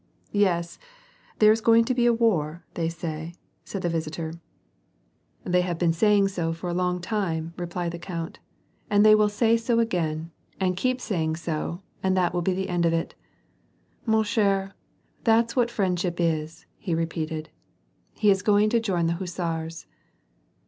" Yes, there's going to be war, they say," said the visitor. " They have been saying so for a long time," replied the WAR AND PEACE. 47 count, ''and they will say so again,. and keep saying so and that will be the end of it. Ma chire, that's what friendship is," he repeated, " he is going to join the hussars."